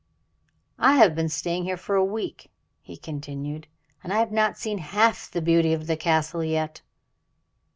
"I have been staying here for a week," he continued, "and I have not seen half the beauty of the Castle yet."